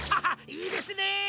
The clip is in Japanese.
いいですね！